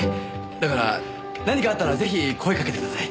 だから何かあったらぜひ声かけてください。